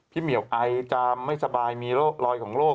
เหมียวไอจะไม่สบายมีรอยของโรค